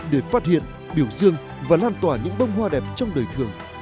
để phát hiện biểu dương và lan tỏa những bông hoa đẹp trong đời thường